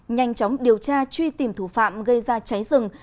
nhanh chóng điều tra truy tìm thủ phạm gây ra cháy rừng